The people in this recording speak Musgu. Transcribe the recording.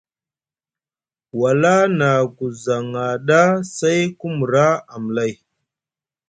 Wala na ku zaŋa ɗa, say ku mra amlay.